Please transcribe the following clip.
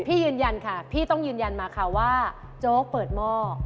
ยืนยันค่ะพี่ต้องยืนยันมาค่ะว่าโจ๊กเปิดหม้อ